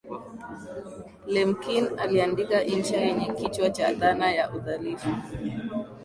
lemkin aliandika insha yenye kichwa cha dhana ya uhalifu